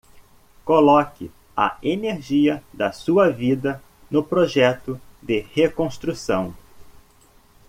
Coloque a energia da sua vida no projeto de reconstrução